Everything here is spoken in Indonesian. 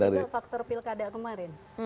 bisa juga faktor pilkada kemarin